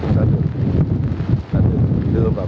đã được đưa vào